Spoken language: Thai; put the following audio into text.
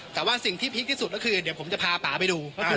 แต่ว่าสิ่งที่พีคที่สุดก็คือเดี๋ยวผมจะพาป่าไปดู